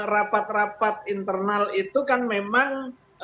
rapat rapat internal itu kan memang